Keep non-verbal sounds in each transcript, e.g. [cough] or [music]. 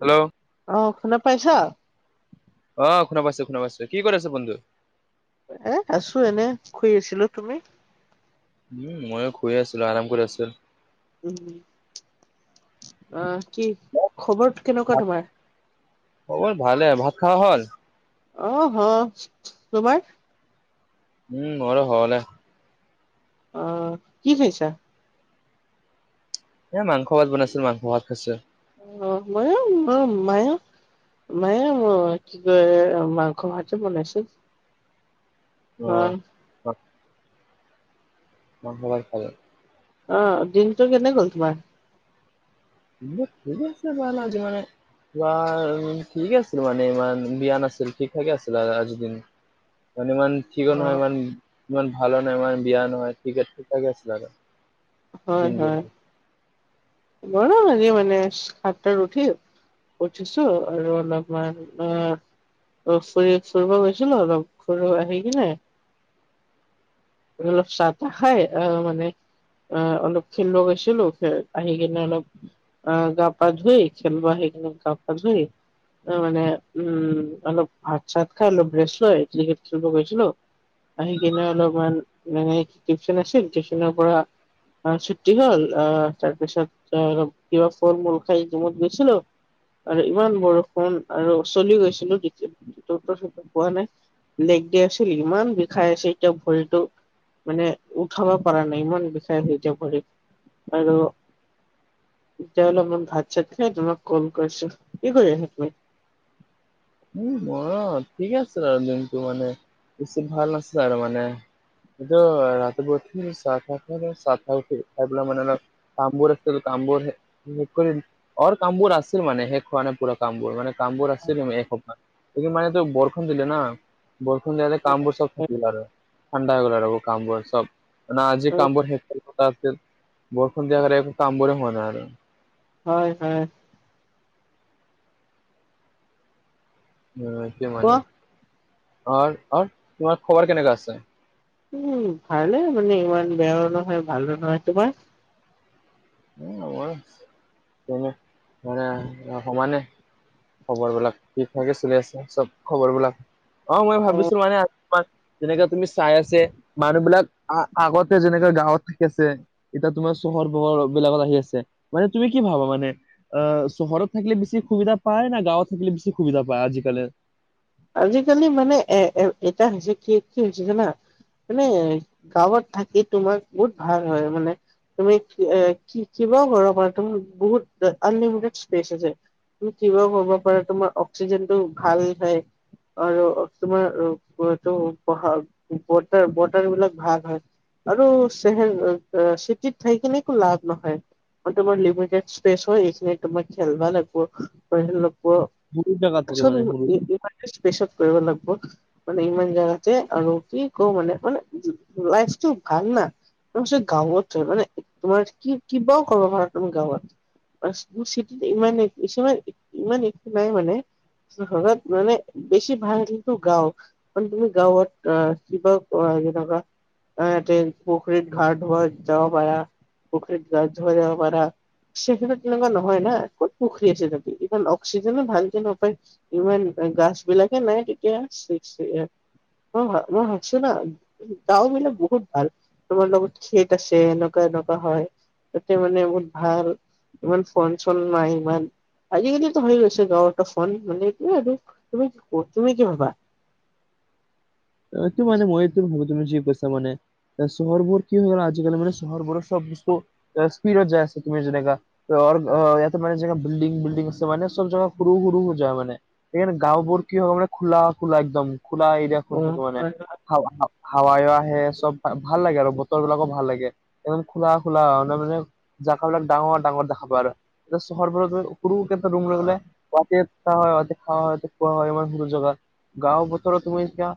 Hello. অঁ' শুনা পাইছ? অঁ' শুনা পাইছো শুনা পাইছো। কি কৰি আছে বন্ধু? এ আছো এনেই শুই আছিলো। তুমি? উমঁ', মইয়ো শুই এ আছিলো, আৰাম কৰি আছিলো। উম। আহ' কি খবৰ কেনেকুৱা তোমাৰ? খবৰ ভালে। ভাত খাৱা হ'ল? অঁ' হ, তোমাৰ‌? উমঁ' মোৰো হ'ল এ। অঁ' কি খাইছা? এ মাংস ভাত বনাইছিলো মাংস ভাত খাইছো। অঁ' মইয়ো [unintelligible] মইয়ো মইয়ো কি কয় মাংস ভাতে বনাইছো। অঁ। মাংস ভাত খালে? অঁ' দিনটো কেনে গ'ল তোমাৰ? দিনটো ঠিকে [unintelligible] আজি মানে ঠিকে আছিল মানে ইমান বিয়া নাছিল ঠিক ঠাকে আছিল আ-আজি দিন মানে ইমান ঠিকো অ নহয় ইমান ইমান ভালো নাই ইমান বিয়া নহয় ঠিকে ঠিক-ঠাকে আছিল আৰু। হয় দিনবোৰ হয়, মোৰো আজি মানে সাততা উঠি উঠিছো আৰু অলপমান অঁ' অলপ ফুৰি ফুৰিব গৈছিলো অলপ ফুৰিব আহি কিনে আৰু অলপ চাহ-টাহ খায় অঁ' মানে অঁ' অলপ খেলিব গৈছিলো, আহি কিনে অলপ আহ' গা-পা ধুই খেলিব আহি কেনি গা-পা ধুই মানে উমঁ' অলপ ভাত-চাত খাই অলপ ৰেষ্ট লৈ ক্ৰিকেট খেলিব গৈছিলো। আহি কিনে অলপমান মানে টিউচন আছিল টিউচনৰ পৰা অঁ' ছুটি হ'ল আহ' তাৰপিছত কিবা ফল-মূল খাই জিমত গৈছিলো। আৰু ইমান বৰষুণ আৰু চলি গৈছিলো, [unintelligible] পোৱা নাই। [unintelligible] ইমান বিষাই আছে এতিয়া ভৰিটো। মানে উঠাব পৰা নাই, ইমান বিষাই হৈ যাব [unintelligible] আৰু এতিয়া অলপ মান ভাত চাত খাই তোমাক কল কৰিছো, কি কৰি আছা তুমি? উম, মৰ ঠিক আছোৰ দিনটো মানে বেছি ভাল নাছিলাৰ মানে। এইটো ৰাতিপুৱা উঠি চাহ খাই [unintelligible] পেলা মানে অলপ কামবোৰ আছিল, কামবোৰ শেষ কৰি অৰ কামবোৰ আছিল মানে শেষ হোৱা নাই পুৰা। কাম্বোৰ মান কাম্বোৰ আছে এসোপা, মানে ত বৰষুণ দিলে ন। বৰষুণ দিয়াতে কামবোৰ চব থাকিল আৰু ঠাণ্ডা হৈ গল আৰু কামবোৰ চব। মানে আজি কাম্বৰ [unintelligible] বৰষুণ দিয় কাম্বৰে হোৱা নাই আৰু। হয় হয়। সেইটোৱে কোৱা মানে আৰু, আৰু তোমাৰ খবৰ কেনেকােৱা আছে? ভালেই মানে, ইমান বেয়াও নহয় ভালো নহয় তোমাৰ? [unintelligible] মানে সমানে। খবৰ বিলাক, ঠিক ভাগে চলি আছে চব খবৰ বিলাক। অ', মই ভাবিছো মানে তোমাৰ যেনেকে তুমি চাই আছে মানুহ বিলাক আ-আগতে যেনেকে গাঁৱত থাকি আছে এতিয়া তোমাৰ চহৰ বহৰ বিলাকত আহি আছে। মানে তুমি কি ভাবা মানে? আহ, চহৰত থাকিলে বেি সুবিধা পায় না গাঁৱত থাকিলে বেছি সুবিধা পায় আজিকালি? আজিকালি মানে এ-এ এটা হৈছে কি কি হৈছে জানা? মানে গাঁৱত থাকি তোমাৰ বহুত ভাল হয় মানে। তুমি কিবাও কৰিব পাৰা, তোমাৰ বহুত আনলিমিটেড স্পেচ আছে। তুমি কিবা কব পাৰা, তোমাৰ অক্সিজেনটো ভাল হয়। আৰু তোমাৰ এইটো [unintelligible] বিলাক ভাল হয়। আৰু চেহেৰ, চিটিত থাই কিনে একো লাভ নহয়। আৰু তোমাৰ লিমিটড স্পেছ হয়, এইখিনি তোমাৰ খেলবা লাগব, বহুত জাগাত থাকে মানে সৰু [unintelligible] [unintelligible] স্পেচত কৰিব লাগিব। মানে ইমান জেগাতে আৰু কি ক মানে মানে লাইফটো ভাল ন। গাঁৱত তাৰমানে তোমাৰ কি কিবাও কৰব পাৰা তুমি গাঁৱত। [unintelligible] ইমান [unintelligible] ইমান একো নাই মানে চহৰত। মানে বেছি ভাল কিন্তু গাও। [unintelligible] তুমি গাঁৱত কিবা [unintelligible] [unintelligible] পুখুৰীৰ গা ধোৱা যাবা পাৰা পুখুৰীত গা ধোৱা যাবা পাৰা। [unintelligible] তেনেকুৱা নহয় না, ক'ত পুখুৰী [unintelligible] অক্সিজেনে ভালকে নাপায়। ইমান গাছ বিলাকে নাই তেতিয়া [unintelligible] [unintelligible] গাও বিলাক বহুত ভাল। তোমাৰ লগত খেত আছে এনেকুৱা এনেকুৱা হয়। তাতে মানে বহুত ভাল ইমান ফোন চোন নাই ইমান, আজিকালিতো হৈ গৈছে গাঁৱতো ফোন মানে এইটোয়ে আৰু তুমি, তুমি কি ভাবা? এইটো মানে মইও ভাবো তুমি যি কৈছা মানে। চহৰবোৰ কি হয় আজিকালি মানে চহৰবোৰৰ চব বস্তু স্পিডত যায় আছে তুমি যেনেকা অ', ইয়াতে মানে বিলডিং বিল্ডিং আছে মানে চব জেগা সৰু সৰু হৈ যায় মানে। [unintelligible] গাঁওবোৰ কি হয় মানে খোলা খোলা একদম খোলা অ এৰিয়াখন থাকে মানে। হয় হাৱ-হাৱাইও আহে চব ভাল লাগে আৰু বতৰ বিলাকো ভাল লাগে। একদম খোলা খোলা, মান মানে জাগাবিলাক ডাঙৰ ডাঙৰ দেখা পোৱা আৰু। এতিয়া চহৰবোৰত গৈ সৰুকে এটা ৰুম লৈ পেলাই ইয়াতে থকা হয়, ইয়াতে খোৱা হয়, ইয়াতে শোৱা হয় ইমা সৰু জেগাত। গাঁওৰ বতৰতো তুমি এতিয়া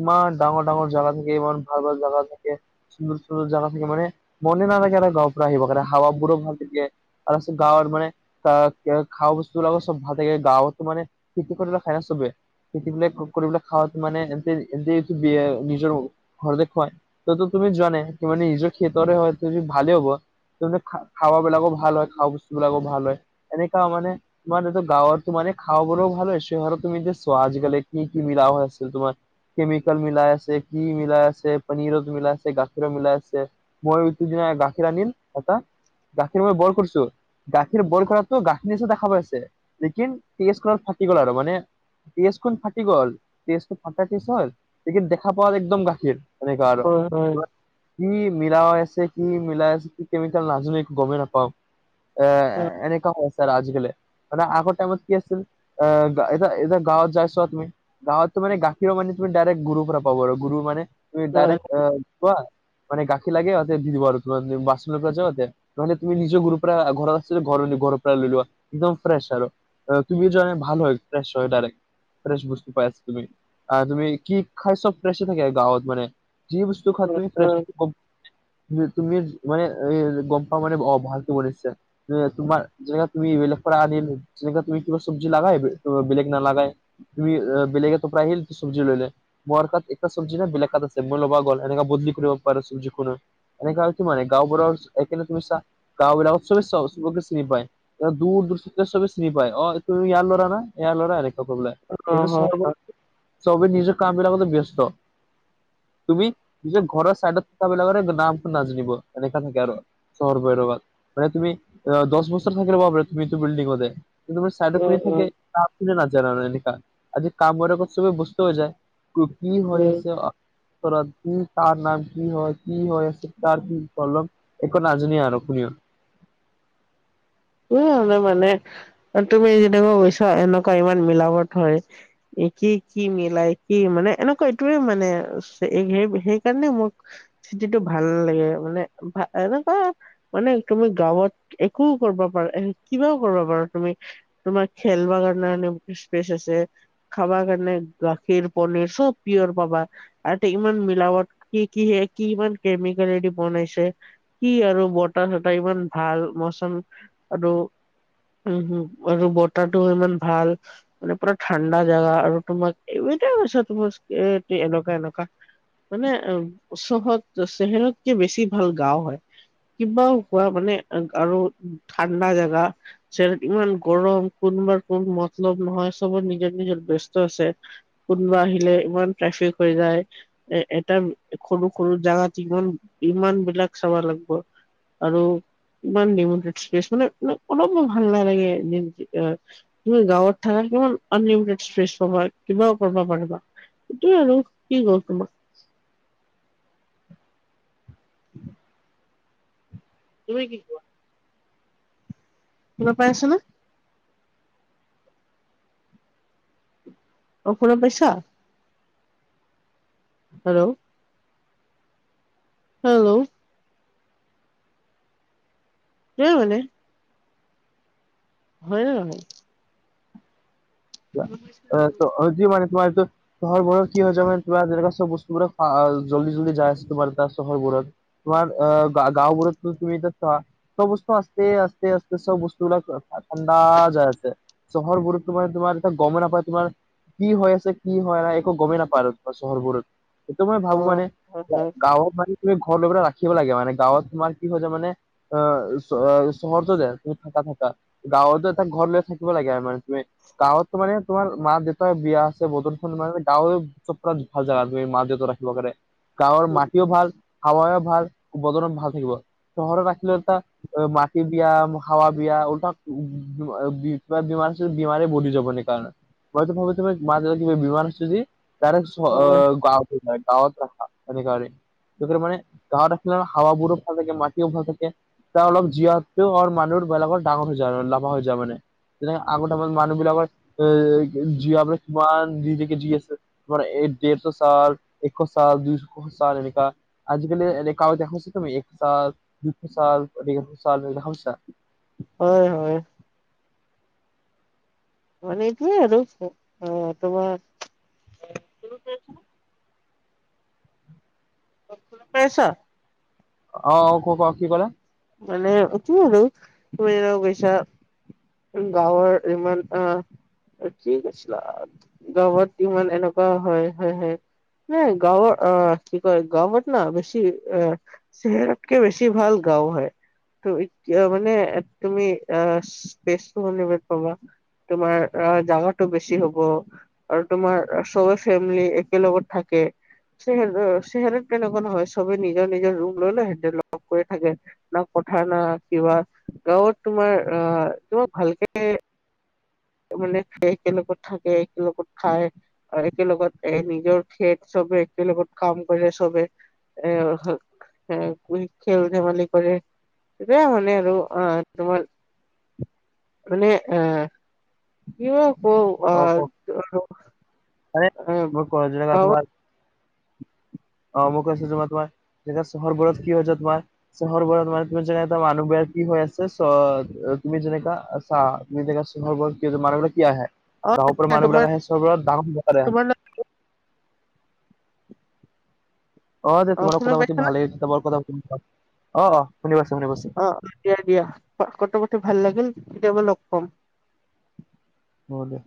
ইমান ডাঙৰ-ডাঙৰ জাগা থাকে, ইমান ভাল-ভাল জাগা থাকে। সুন্দৰ-সুন্দৰ জাগা থাকে, মানে মনে নালাগে আৰু গাঁৱৰ পৰা আহিব কাৰণে হাৱাবোৰো ভাল থাকে। আৰু আছে গাঁৱত মানে ত খোৱা বস্তু বিলাক চব ভাল থাকে। গাঁৱতো মানে খেতি কৰি খায় ন চবে। খেতিবিলাক কৰি পেলাই খাৱাত মানে এনতে-এনতে এইটো নিজৰ ঘৰতে খুৱাই। ততো তুমি জানে কি মানে নিজৰ খেতিৰে হয় যদি ভালে হ'ব। তাৰমানে খাৱাবিলাকো ভাল হয়, খোৱা বস্তু বিলাকো ভাল হয়। এনেকা মানে তোমাৰ এইটো গাঁৱৰতো মানে খোৱাবোৰও ভাল হয়, চহৰত তুমি এতিয়া চোৱা আজিকালি কি কি মিলা হৈ আছিল তোমাৰ। কেমিকেল মিলাই আছে, কি মিলাই আছে, পনীৰত মিলাই আছে, গাখীৰো মিলাই আছে। মই সিটোদিনা গাখীৰ আনিম এটা, গাখীৰ ম‌ই ব‌ইল কৰিছোঁ। গাখীৰ ব‌ইল কৰাটো গাখীৰ নিচ দেখা পাইছে, লেকিন তেজ কৰাত ফাটি গ'ল আৰু মানে তেচখন ফাটি গ'ল। তেচটো ফা [unintelligible] হ'ল লেকিন দেখা পোৱা যে একদম গাখীৰ তেনেকা আৰু। হয় হয় হয় কি মিলাই আছে, কি মিলাই আছে, কি কেমিকেল নাজানো একো গমেই নাপাওঁ। এ এনেকা হৈছে আজিকালি। মানে আগৰ টাইমত কি আছিল আ এ এতিয়া গাঁৱত যাই চোৱা তুমি গাঁৱতো মানে গা গাখীৰৰ [unintelligible] মানে তুমি ডাইৰেক্ট গুৰুৰ পৰা পাব আৰু গুৰু মানে তুমি হয় ডাইৰেক্ট আহ কোৱা মানে গাখীৰ লাগে সিহঁতে দি দিব আৰু কিমান বাচন পৰা যতে। নহ'লে তুমি নিজৰ গৰুৰ পৰা ঘৰত আছে ঘৰ নি ঘৰৰ পৰাই লৈ লোৱা একদম ফ্ৰেছ আৰু। তুমি যোন ভাল হয় ফ্ৰেছ হৈ ডাইৰেক্ট ফ্ৰেছ বুজি পাই আছা তুমি। আহ তুমি কি খাইছ চব ফ্ৰেছ থাকে গাঁৱত মানে যি বস্তু খোৱা তুমি ফ্ৰেছ হয় [unintelligible] তুমি মানে গম পাৱ মানে অ ভালকে বনাইছা। এ তোমাৰ যেনে তুমি বেলেগ পৰা আনিলোঁ। যেনেকা তুমি কিবা চব্জি লাগাই বেলেগ নালাগাই তুমি বেলেগেতো পৰা আহি চব্জি লৈ লয়। মাৰ কাত একটা চব্জি ন বেলেগ কাত আছে মই ল'বা গ'ল এনেকা বদলি কৰিব পাৰোঁ চব্জি খোনো। এনেকুৱা কি মানে গাঁওবোৰৰ এক তুমি চা গাঁওবিলাকত চবে চবকে চিনি পায়। দূৰ-দূৰ [unintelligible] চবে চিনি পায় অ এইটো ইয়াৰ ল'ৰা না ইয়াৰ ল'ৰা এনেকা কৈ পেলাই। হয় এইটো হয় চোৱা গ'ল চবেই নিজৰ কামবিলাকতে ব্যস্ত। তুমি নিজৰ ঘৰৰ চাইডত থকাবিলাকৰে নামটো নাজানিব এনেকা থাকে আৰু। চহৰ ভৈৰৱাল মানে তুমি দহ বছৰ থাকি লবা তুমি সেইটো বিল্ডিংতে। কিন্তু মোৰ চাইড উম, কৰি উম, থাকে তাক কোনে নাজানে আৰু এনেকা। কামবোৰ লগত চবে বস্ত হৈ যায়। কি হৈ উম, আছে অ ঘৰত কি তাৰ নাম কি হয় কি হৈ আছে তাৰ কি কলম একো নাজানেই আৰু কোনেও। উম! মানে-মানে তুমি যেনেকুৱা কৈছা এনেকুৱা ইমান মিলাবত হয়। এ কি-কি মিলাই কি মানে এনেকুৱা এইটোৱেই মানে সেই-সেইকাৰণে মোক চিটিটো ভাল লাগে মানে। ভা এনেকুৱা মানে তুমি গাঁৱত একো কৰিব পাৰা, এ কিবাও কৰিবা পাৰা তুমি। তোমাৰ খেলিব কাৰণে এনেই স্পেচ আছে। খাব কাৰণে গাখীৰ, পনীৰ চব পিয়ৰ পাবা। আৰু এতিয়া ইমান মিলাৱত কি কি কি ইমান কেমিকেলৰে দি বনাইছে? কি আৰু বতাহ-চতাহ ইমান ভাল, মৌচম আৰু উম! হুম আৰু বতৰটো ইমান ভাল। মানে পুৰা ঠাণ্ডা জাগা আৰু তোমাক এইকেইটাই কৈছা তোমাৰ এনেকুৱা-এনেকুৱা। মানে, অ চহৰত চহৰতকে বেছি ভাল গাওঁ হয়। কিবাও হোৱা মানে আৰু ঠাণ্ডা জোগা। চহৰত ইমান গৰম, কোনবা কোন মতলব নহয়, চবৰ নিজৰ নিজৰ ব্যস্ত আছে। কোনোবা আহিলে ইমান ট্ৰেফিক হৈ যায়। এ এটা সৰু সৰু জাগাত ইমান, ইমান বিলাক চাব লাগিব। আৰু ইমান নিমন্ত স্পেচ মানে অলপ ভাল নালাগে গাঁৱত থাকা কিমান আনলিমিটেড স্পেচ পাবা কিবাও কৰিব পাৰিবা। সেটোয়ে আৰু কি গ'ল তোমাৰ। তুমি কি কোৱা? কিবা পাই আছ নে? অ শুনা পাইছা? হেল্ল'? হেল্ল'? এই মানে। হয় নে নহয়? কোৱা, নহয় আজি মানে তোমাৰ এইটো। চহৰবোৰত কি হৈছে মানে কিবা যেনেকুৱা চব বস্তুবোৰৰ জল্দি জল্দি যায় আছে, তোমাৰ তাত চহৰবোৰত। তোমাৰ অঁ গাঁওবোৰত তুমি এতিয়া চোৱা। চব বস্তু আস্তে, আস্তে, আস্তে চব বস্তুবিলাক ঠাণ্ডা যায় আছে। চহৰবোৰত তোমাৰ, তোমাৰ গমেই নাপায় তোমাৰ, কি হৈ আছে, কি হোৱা নাই, একো গমেই নাপায় আৰু তোমাৰ চহৰবোৰত। সেইটো মই ভাবো অ মানে, হয় হয় গাঁৱত মানে তুমি ঘৰ লৈ পেলাই ৰাখিব লাগে। মানে গাঁৱত তোমাৰ কি হয় হৈছে মানে অ চহৰটো দে, তুমি থাকা থাকা। গাঁৱতো এটা ঘৰ লৈ থাকিব লাগে, আমাৰ গাঁৱত। মানে তোমাৰ মা -দেউতাই বিয়া আছে, বতলখন মানে গাঁৱে চব ভাল জাগা তুমি মা- দেউতা ৰাখিব কাৰণে। গাঁৱৰ মাটিও ভাল, হাৱাও ভাল, উপাদনো ভাল থাকিব, চহৰত ৰাখিলে তা অ মাটি বিয়া, হাৱা বিয়া, উলটা কিবা বেমাৰ আছে যদি বেমাৰে বনি যাব নে? মই তো ভাবোঁ তুমি মা কিবা বিমাৰ আছে যদি দাৰেক গাঁৱত ৰাখা অধিকাৰি। মানে গাঁৱত ৰাখিলে হাৱাবোৰো ভাল থাকে, মাটিও ভাল থাকে। তাত অলপ জীয়াতকেও মানুহ বেলেগৰ ডাঙৰ হৈ যায়, লাম্বা হৈ যায় মানে। যেনে আগত আমাৰ মানুহ বিলাকৰ জিয়াবলে কিমান দিনলেকে জি আছে। ডেৰশ চাল, এক চাল দুইশ চাল এনেকা। আজিকালি এনেকাও দেখোঁ, তুমি এক চাল, দুইশ চাল দেখা পাইছা। হয়, হয়। মানে এইটোয়ে আৰু, অ তোমাৰ। পাইছ। অ' অ' কপা কি কলা? মানে কি আৰু তুমি ও গইছা। গাঁৱৰ ইমান আ। ঠিক আছিলা, গাঁৱত ইমান এনেকুৱা হয়। হয়' হয়'। নাই গাঁৱৰ আ কি কয়, গাৱঁত না বেছি। চহৰতকে বেছি ভাল গাওঁ হয়। তু মানে তুমি আ স্পেচটো শুনিব পাবা। তোমাৰ আ জাগাটো বেছি হ'ব। আৰু তোমাৰ ছবৰ ফেমিলি একেলগত থাকে। চেহেৰত চেহেটত কেনেকুৱা হয় চবে নিজৰ নিজৰ ৰুম ললে লয় হেহঁতে লগ কৰি থাকে। না পঠাৰ না কিবা গাঁৱত তোমাৰ আহ তোমাক ভালকে মানে একেলগত থাকে, একেলগত খায়। একেলগত এ নিজৰ খেত চবে একেলগত কাম কৰে চবে। এ হা [inaudible] খেল ধেমালি কৰে। এতিয়া মানে আৰু আহ তুমাৰ মানে আহ কিবা ক আ [inaudible] এ মই কৰা জেগাত গাঁৱত তোমাৰ অ মই কৈছোঁ তুমাৰ এতিয়া চহৰবোৰত কি হৈছে তোমাৰ চহৰবোৰত মানে তুমি যেনে এটা মানুহ বেয়া কি হৈ আছে চ তুমি যেনেকা চা [inaudible] চহৰোৰত কি মানুহবিলাক কি আহে অ গাঁও পৰা তোমাৰ মানুহবিলাক আহে চবত দাও বাৰে আহে তোমাৰ অ যে তোমাৰ শুনা কথা পাতি পাইছা ন ভালেই তোমাৰ কথাতি ভ অ অ শুনি পাইছোঁ শুনি পাইছোঁ। অ দিয়া দিয়া কথা পাতি ভাল লাগিল, কেতিয়াবা লগ পাম। হ দে